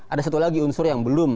ada satu lagi unsur yang belum